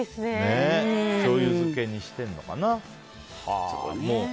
しょうゆ漬けにしてるのかな。